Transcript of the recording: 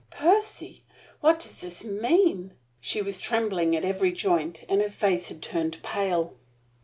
"Percy! What does this mean?" She was trembling at every joint, and her face had turned pale.